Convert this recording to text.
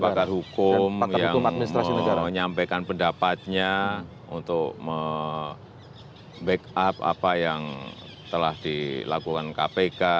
lima pakar hukum yang menyampaikan pendapatnya untuk me back up apa yang telah dilakukan kpk